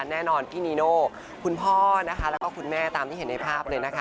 แน่นอนพี่นิโนพ่อคุณแม่ตามที่เห็นในภาพ